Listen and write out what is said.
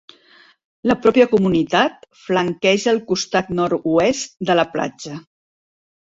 La pròpia comunitat flanqueja el costat nord-oest de la platja.